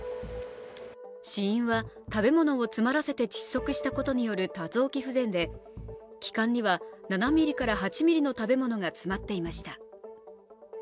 死因は食べ物を詰まらせて窒息したことによる多臓器不全で気管には７ｍｍから８ｍｍの食べ物が詰まっていました。